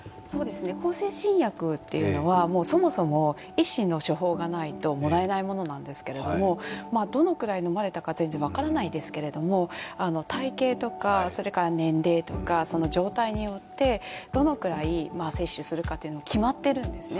向精神薬というのはそもそも医師の処方がないともらえないものなんですけど、どのくらい飲まれたか全然分からないですけど体型とか年齢とか状態によってどのくらい摂取するか決まっているんですね。